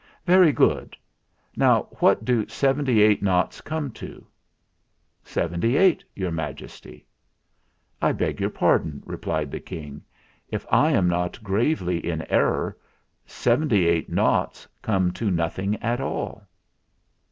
"Very good. Now, what do seventy eight noughts come to?" "Seventy eight, Your Majesty." "I beg your pardon," replied the King. "If I am not gravely in error, seventy eight noughts come to nothing at all."